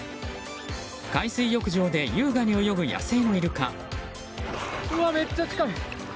海水浴場で優雅に泳ぐ野生のイルカ。